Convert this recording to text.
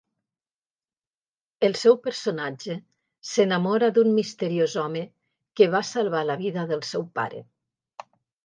El seu personatge s'enamora d’un misteriós home que va salvar la vida del seu pare.